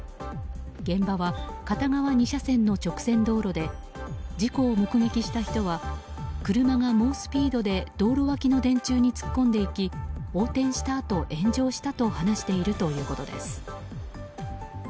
現場は片側２車線の直線道路で事故を目撃した人は車が猛スピードで道路脇の電柱に突っ込んでいき横転したあと炎上したと話しているということです。